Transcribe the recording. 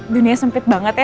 dunia sempit banget ya